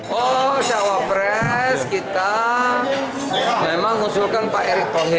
oh cawapres kita memang usulkan pak erick thohir